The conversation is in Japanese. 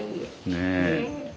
ねえ。